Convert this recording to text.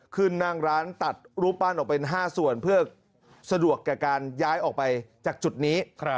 ขึ้นนั่งร้านตัดรูปปั้นออกเป็น๕ส่วนเพื่อสะดวกแก่การย้ายออกไปจากจุดนี้